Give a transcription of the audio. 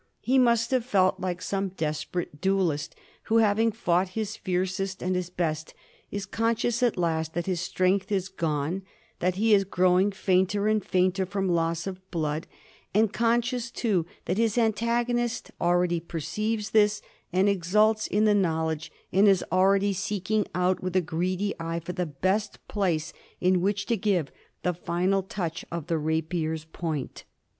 He must have felt like some desperate duellist, who, having fought his fiercest and his best, is conscious at last that his strength is gone; that he is growing fainter and fainter from loss of blood ; and conscious, too, that his antagonist already perceives this and exults in the knowledge, and is already seeking out with greedy eye for the best place in which to give the final touch of the rapier's point.